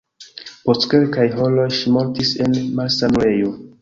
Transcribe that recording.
Post kelkaj horoj ŝi mortis en malsanulejo.